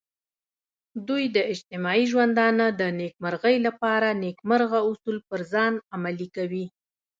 دوی د اجتماعي ژوندانه د نیکمرغۍ لپاره نیکمرغه اصول پر ځان عملي کوي.